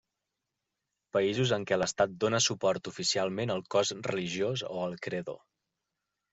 Països en què l'estat dóna suport oficialment al cos religiós o al credo.